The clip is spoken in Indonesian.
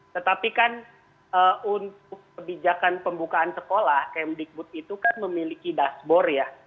tetapi kan untuk kebijakan pembukaan sekolah kemdikbud itu kan memiliki dashboard ya